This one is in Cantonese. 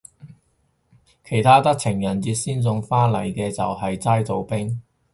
其他得情人節先送花嚟嘅就係齋做兵